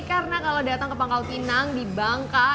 karena kalau datang ke pangkau kinang di bangka